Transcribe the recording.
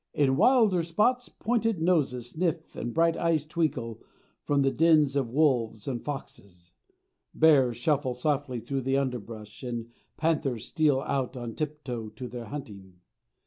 In wilder spots pointed noses sniff and bright eyes twinkle from the dens of wolves and foxes. Bears shuffle softly through the underbrush, and panthers steal out on tiptoe to their hunting.